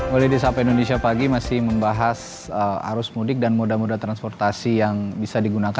benar benar sy botnya yang sudah diiniti